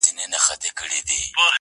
په گلونو کي عجيبه فلسفه ده